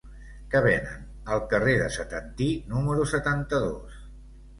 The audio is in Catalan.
Què venen al carrer de Setantí número setanta-dos?